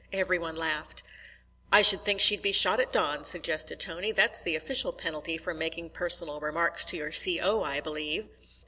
Every one laughed. "I should think she'd be shot at dawn," suggested Tony. "That's the official penalty for making personal remarks to your C.O., I believe."